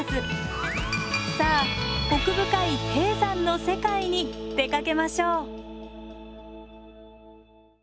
さあ奥深い低山の世界に出かけましょう。